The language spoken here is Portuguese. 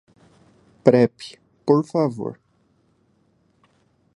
Prep, por favor.